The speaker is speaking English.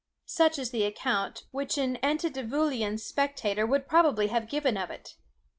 Such is the account which an antediluvian spectator would probably have given of it.